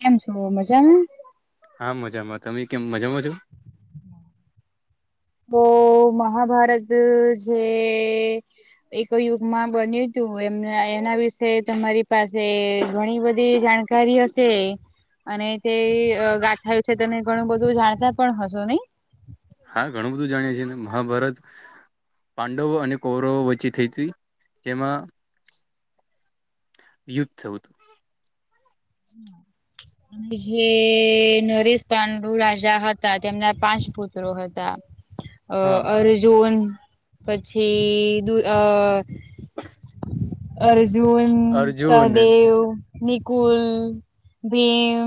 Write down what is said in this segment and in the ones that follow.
કેમ છો મજામા હા મજામાં તમે કેમ મજામાં છો તો મહાભારત જે એક યુગ માં બન્યું તું એમ એના વિશે તમારી પાસે ઘણી બધી જાણકાર કાર હશે અને તે ગાથાયું છે તને ઘણું બધું જાણતા પણ હશો નઈ હા ઘણું બધું જાણીએ છીએ મહાભારત પાંડવો અને કૌરવો વચ્ચે થઈ તી જેમાં યુદ્ધ થયું હતું અને જે નરેશ પાંડુ રાજા હતા તેમના પાંચ પુત્રો હતા અ હા અર્જુન પછી દ અ અર્જુન અર્જુન સહદેવ નિકુલ ભીમ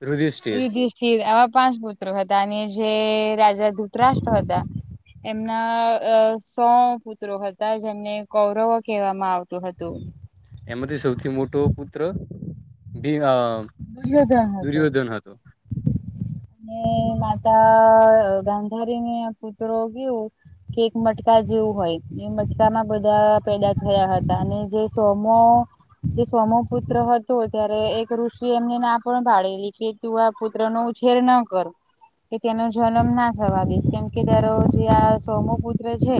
યુધિષ્ઠિર યુધિરષ્ઠિર આવા પાંચ પુત્રો હતા અને જે રાજા ધૂતરાષ્ટ્ર હતા. એમના અ સો. પુત્રો હતા જેમને કૌરવો કહેવામાં આવતું હતું. એમાંથી સૌથી મોટો પુત્રી. દુર્યોધન હતો. અને માતા ગાંધારી ને પુત્રો ગું. કે એક મટકા જેવું હોય એ મટકામાં બધા પેદા થયા હતા અને જે ટોમો. જે સોમો પુત્ર હતો ત્યારે એક ઋષિ. તું એમને ના પણ ભાડેલી કે તું આ પુત્ર નો ઉછેર ના કર. કે તેનો જન્મ ના થવા દ કેમ કે તાર જે આ સોમુ પુત્ર છે.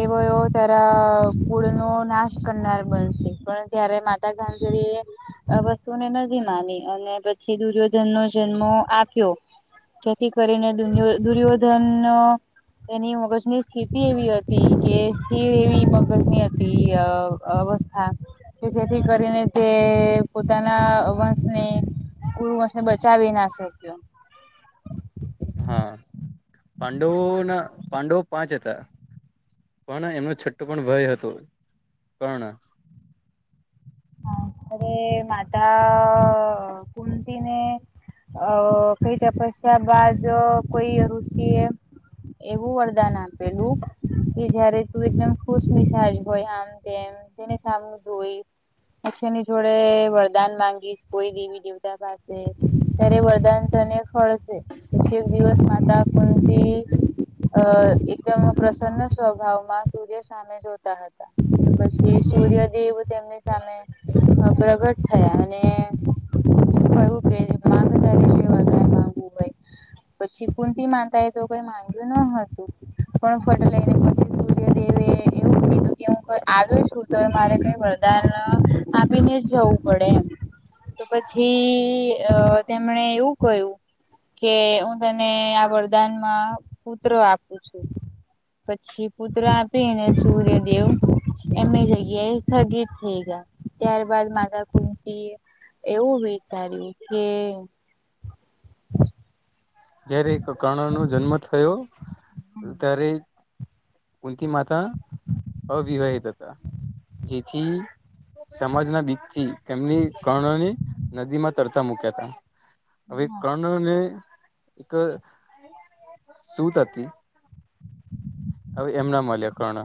એવો એ તારા કુળ નો નાશ કરનાર બનશે પણ. ત્યારે માતા ગાજરી. ને નથી માની અને પછી દુર્યોધન નો જન્મ આપ્યો. જેથી કરીને દુ દુર્યોધન નો. તેની મગજની સ્થિતિ એવી હતી કે સ્થિર એવી મગજની હતી. હા તો જેથી કરીને તે પોતાના વંશને. કુુંને બચાવી નાશે. હા પાંડવોના પાંડવો પાંચ હતા. પણ એમનો છઠ્ઠો પણ ભય હતો પણ. હા અરે માતા કમતી ને. અ કઈ તપસ્યા બાદ કોઈઋચિ એ. એવું વરદાન આપેલું કે જયારે તું એકદમ ખુશ મિસાાજ હોય આમ તેમ. તેને સામું ધોઈ. પછ એની જોડે વરદાન માંગીશ કોઈ દેવી દેવતા પાસે. ત્યારે વરદાન અને ફળશેી એક દિવસ માતા કતી. અ એકદમ પ્રસન સ્વભાવમાં સૂર્ય શાંત. જોતા હતા પછી સૂર્યદેવ તેમને. પ્રગટ થયા અને કું કે. જે વરદાન માંગવું હોય. [inaudible] પછી કુંતી માનતા એ તો કઈ માંન્યું ન હતું પણ ફટેલા. સર્ય દેવે એવું કીધું કે હું આ છું તો મારે કઈ. વરદાન [inaudible] આપીને જવું પડે એમ. તો પછી અ તેમને એવું કહું. કે હું તને આ વરદાનમાં પુત્ર આપું છું. પછી પુત્ર આપીને સૂર્યદેવ એમે જગ્યા એ થ. થઈ ગયા ત્યારબાદ મારા કુંતી એવું વિચાર્યું કે. જયારે એક કર્ણ નો જન્મ થયો ત્યારે. કુંંત માતા અવિવાહિત હતા જેથી. સમાજના બીકથી તેમની કર્ણની નદીમાં તરતા મુક્યા હતા. હવે કર્ણને એક સુત હતી. હવે એમ ના મળ્યા કર્ણ.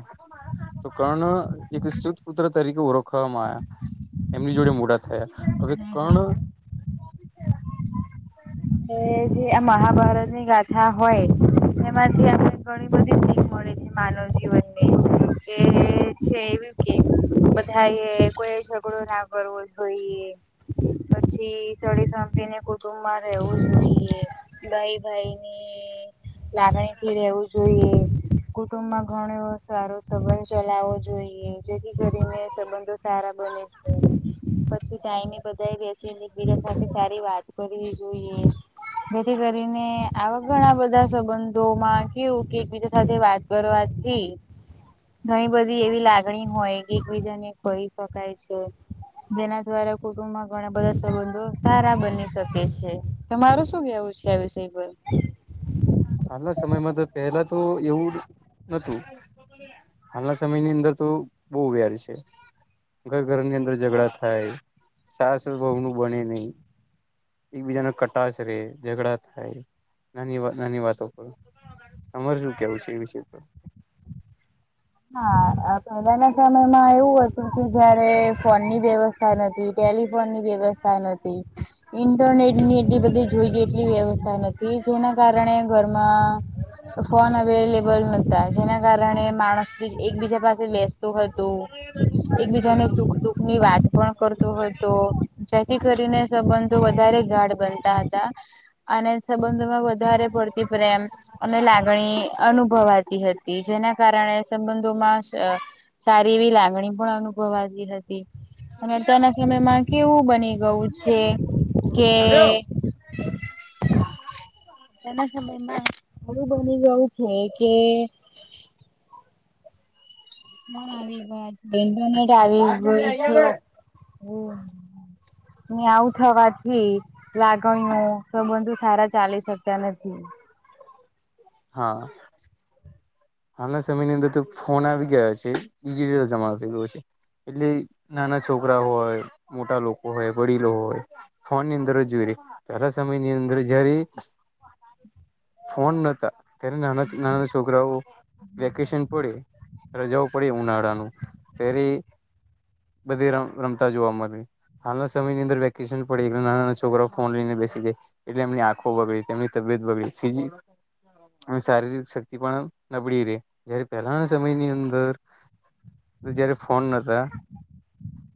તો કર્ણ એક સુત પુત્ર તરીકે ઓળખવામાં આવ્યા એમની જોડે મોડા થયા. હવે કણ. એ જે આ મહાભારતની ગાથા હોય એમાંથી આપણે. ઘણી બધી ભીક મળે છે માનવ જીવનને કે. એવી કે બધા એ કોઈ ઝઘડો ના કરવો જોઈએ. પછી સળે સાંંતીને કુટુંબ માં. એવું જ નહી ગાઈ ભાઈ ની લાગણી થી રહેેવું જોઈએ કુટુંબ માં ઘણો એવો સારું સંબંધ ચલાવવો જોઈએ જેથી કરીને સંબંધો સારા બને છે. પછી ટાઈમે બધા બેસી બીડા સાથે સારી વાત કરવી જોઈએ જેથી કરીને આવા ઘણા બધા સંબંધોમાં કેવું કે એકબીજા સાથે વાત કરવાથી ઘણી બધી એવી લાગણી હોય કે એકબીજા ને કહી શકાય છે જેના દ્વારા કુટુંબમાં ઘણા બધા સંબંધો સારા બની શકે છે તમાર શું કેવું છે આ વિષય પર હાલના સમયમાં તો પેલા તો એવું નતું હાલના સમયની અંદર તો બહ વ્યારી છે ઘર ઘરની અંદર ઝઘડા થાય સાસ વહુ નું બને નહી એકબીજા ને કટાશ રે ઝઘડા થાય નાની વા નાની વાતો પર તમારે શું કેવું છે એ વિષય પર. હા આ પહેલાના સમયમાં એવું હતું જયારે ફોનની વ્યવસ્થા નથી ટેલિફોનની વ્યવસ્થા નથી ઇન્ટરનેટ ની એટલી બધી જોઈ એટલી વ્યવસ્થા નથી જેના કારણે ઘરમાં ફોન અવેલેબલ નતા જેના કારણે માણસ એકબીજા પાસે બેસતું હતું એકબીજાને સુખ દુખ ની વાત પણ કરત હોય તો જેથી કરીને સંબંધો વધારે ગાઢ બનતા હતા અને સંબંધોમાં વા વધારે પડતી પ્રેમ અને લાગણી અનુભવાતી હતી જેના કારણે સંબંધોમાં સારી એવી લાગણી પણ અનુભવાતી હતી અને અત્યારના સમયમાં કેવું બની ગયું છે કે [inaudible] અત્યના સમયમાં હરું બની ગવું છે કે કોન આવી ગયા [unintelligible] આવી ગય હમ્મ ને આવું થવાથી લાગણીઓ સબંધો સારા ચાલી શક્તા નથી હા હાલના સમયની અંદર તો ફોન આવી ગયા છે ડિજિટલ જમા થ ગયો છે એટલે નાના છોકરા હોય મોટા લોકો હોય વડીલો હોય ફોન ની અંદર જોઈરી પેલા સમયની અંદર જયારે ફોન નતા ત્યારે નાના નાના છોકરાઓ વેકેશન પડી રજા પડી ઉનાળાનું ફરી બધી ર રમતા જોવા મણે હાલના સમયની અંદર વેકેશન પડી ગયું નાના નાના છોકરા ફોન લઈને બેસી દે એટલે એમની આંખો બગડી એમની તબિયત બગડીજી એ શારીરિક શક્તિ પણ નબળી રે જયારે પહેલાના સમયની અંદર જયારે ફોન નતા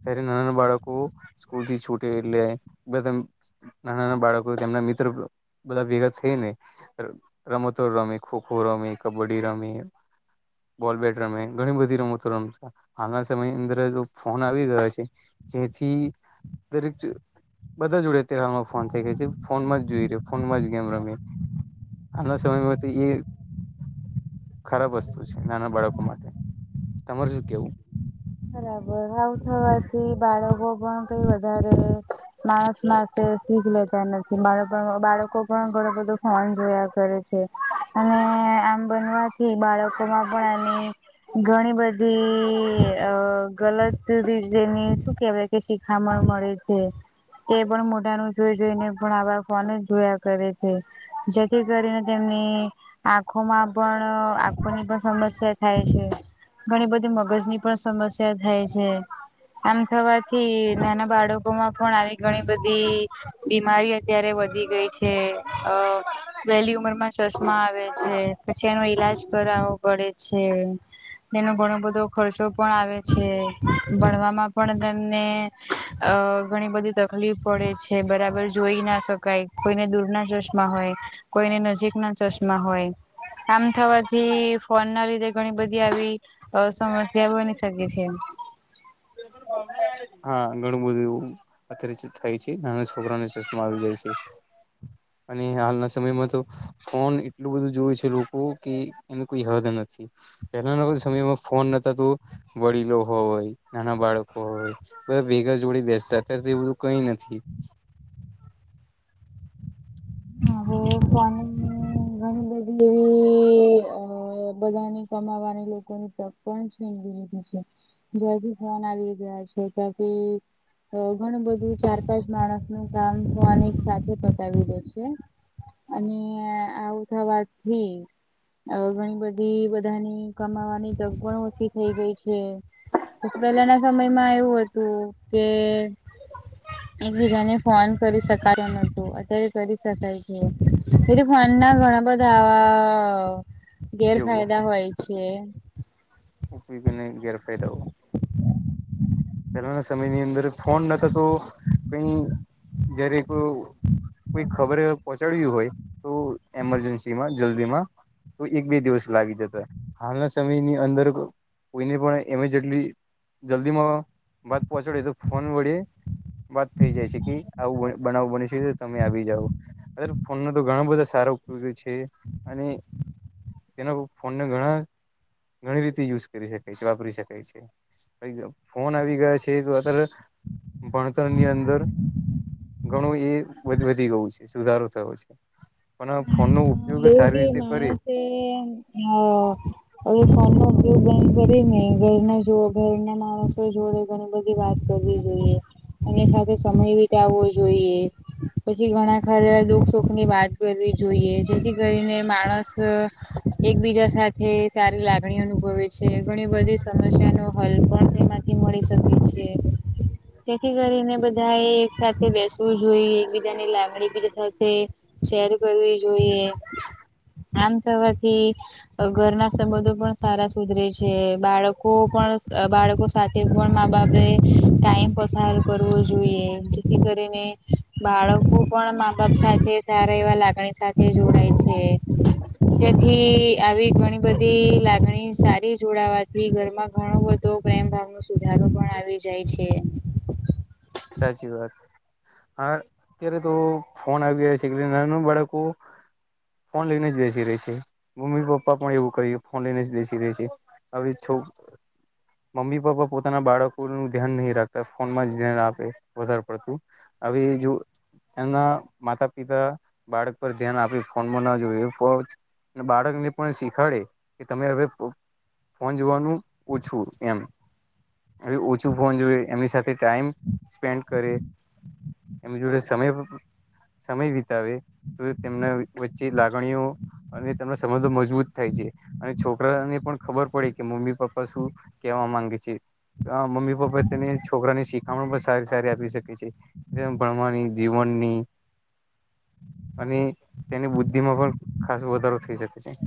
ત્યારે નાના ના બાળકો સ્કૂલથી છુટી એટલે બ નાના નાના બાળકો તેમના મિત્ર બધા ભેગા થઈ ને રમતો રમી ખોખો રમી કબડ્ડી રમી બોલ બેટ રમે ઘણી બધી રમતો રમતા હાલના સમયની અંદર ફોન આવી ગયો છે જેથી દરેક બધા જોડે તમાં ફોન થઇ ગયા છે ફોનમાં જ જોઈ ર ફોનમાં જ ગેમ રમ આના સમય માંથી ઈ ખરાબ વસ્તુ છે નાના બાળકો માટે તમાર શું કેવું બરાબર આવું થવાથી બાળકો પણ કઈ વધારે માણસ માસે શીખ લેતા નથી બાળ બાળકો પણ ઘણો બધો ફોન જોયા કરે અને આમ બનવાથી બાળકો માં પણ આની ઘણી બધી. અ ગલત રીતેની શું કેવાય કે શીખામણ મળે છે. એ પણ મોટા ન જોઈ જોઈને પણ આવા ફોન જોયા કરે છે. જેથી કરીને તેમને આંખોમાં પણ આંખોની પણ સમસ્યા થાય છે ઘણી બધી મગજ ની પણ સમસ્યા થાય છે. આમ થવાથી નાના બાળકો માં પણ આવી ઘણી બધી. બીમારી અત્યારે વધી ગઈ છે અ વહેલી ઉંમર માં ચસમા આવે છે પછી એનો ઈલાજ કરાવવો પડે છે. તેનો ઘણો બધો ખર્ચો પણ ભણવામાં પણ તને ઘણી બધી તકલીફ પડે છે બરાબર જોઈ ના શકાય કોઈને દૂર ના ચશમાં હોય. કોઈને નજીક ના ચશ્મા હોય કમ થવાથી ફોન ના લીધે ઘણી બધી આવી. અ સમસ્યા બની શકે છે. હા ઘણું બધું એવું. અતિરિચિત થાય છે નાના છોકરાનેસ્માં આવી જાય છે. અને હાલના સમયમાં તો. ફોન એટલું બધું જોય છે લોકો કે એનું કોઈ હદ નથી. પહેલાના કો સમયમાં ફોન નતા તો વળીલો હોય. નાના બાળકો હોય બધ ભેગા જોડીે બેસતા અત્યારે તો એ બધું કઈ નથી. હા ઘણી બધી એવી અ બધાને કમાવાની લોકોની તક પણ છીન દીધી છે. જ્યાથી ફોન આવી ગયા છે ત્યાંથી તો ઘણું બધું ચાર પાંચ માણસ ન કામ હું આ સાથે પતાવી દઉ છ. અને આવું થવાથી. અ ઘણી બધી બધાની કમાવાની તગ પણ થઈ ગઈ છે પછી પહેલાના સમયમાં એવું હતું કેન એકબીજાને ફોન કરી શકાય્યો નતું અત્યારે કરી થાય છે એ ફ ના ગણા બધાવા ઉપયોગો ગેરફાયદા હોય છે. ઉપવીગને ગેરફેદઓ. પહેલાના સમયની અંદર ફોન નતા તો કઈ [unintelligible] કોઈ ખબર પહોંચાડ્યું હોય તો એમરજન્સીમાં જલ્દીમાં. તો એક બે દિવસ લાગી જતો હો હાલના સમયની અંદર કોઈને પણ એમે જેટલી જલ્દીમાં વાત પહોંચાડી તો ફોન વળે વાત થઈ જાય છે કે આવું બનાવું બને છે તો તમે આવી જાવ. અ ફોન ન તો ઘણા બધા સારો ઉપયોગ છે અને તેના ફોનને ઘણા ઘણી રીતે યુઝ કરી શકાય છે વાપરી શકાય છે. ફોન આવી ગયા છે તો અત્યારે ભણતર ની અંદર ઘણું એ વધી ગયું છે સુધારો થયો છે પણ આ ફોનનો ઉપયોગ એવું સારી કે રીતે કરીએ માણસે હા. હવે ફોન નો ઉપયોગ કરી ને ઘર જો ઘરના માણસો જોડે. ઘણી બધી વાત કરવી જોઈએ અને સાથે સમય વિીતા આવવો જોઈએ. પછી ઘણા ખર દુઃખ સુખ ની વાત કરવી જોઈએ જેથી કરીને માણસ એકબીજા સાથે સારી લાગણી અનુભવે છે ઘણી બધી સમસ્યા નો હલ પણ તે મળી શકે છે. જેથી કરીને બધાએ એક સાથે બેસવું જોઈ એકબીજાની લંગણી બીજા સાથે શેર કરવી જોઈએ આમ કરવાવાથી ઘરના સંબંધો પણ સારા સુધરે છે બાળકો પણ બાળકો સાથે પણ મા બાપે ટાઈમ પસાર કરવો જોઈએ જેથી કરીને બાળકો પણ મા બાપ સાથે સારા એવા લાગણી સાથે જોડાય છે [inaudible] જેથી આવી ઘણી બધી લાગણી સારી જોડાવાથી ઘરમાં ઘણો બધો પ્રેમ ભાવ ન સુધારો પણ આવી જાય છે. સાચી વાત. હા અત્યારે તો ફોન આવી ગયા છેલે નાનું બાળકો ફોન લઈને જ બેસી રે છે મમ્મી પપ્પા પણ એવું કહી ફોન લઈને જ બેસી રે છે. આવી છો. મમ્મી પપ્પા પોતાના બાળકોનું ધ્યાન નહીં રાખતા ફોનમાં જ્યાન આપ વધારે પડતું આવી જો. તેના માતા પિતા બાળક પર ધ્યાન આપી ફોનમાં ના જોયએ ફોજ ને બાળક ને પણ શીખાડે કે તમે હવે ફોન જોવાનું ઓછું એમ એ ઓછું ફોન જોઈ એમની સાથે ટાઈમ સ્પેન્ડ કરે એમ જોડે સમય સમય વિતાવે તો તેમને વચ્ચે લાગણીઓ અને તેમ સંબંધો મજબૂત થાય છે અને છોકરાને પણ ખબર પડે કે મમ્મી પપ્પા શું કેવા માંગે છે આ મમ્મી પપ્પા તેને છોકરાની શીખામણ બ સારી સારી આપી શકે છે જે ભણવાની જીવનની અને તેની બુદ્ધિ માં પણ ખાસો વધારો થઈ શકે છે.